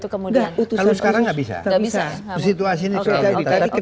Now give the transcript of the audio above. kalau sekarang tidak bisa